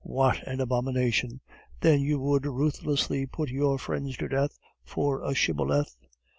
"What an abomination! Then you would ruthlessly put your friends to death for a shibboleth?"